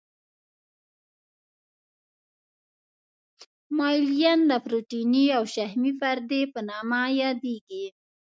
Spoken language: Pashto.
مایلین د پروتیني او شحمي پردې په نامه یادیږي.